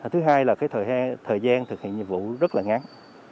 thứ hai là thời gian thực hiện nhiệm vụ rất là ngắn